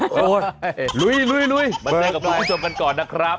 โอ้โฮลุยบรรเวงกับคุณผู้ชมกันก่อนนะครับ